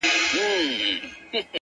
په يوه تار پېيلي زړونه شلېږي’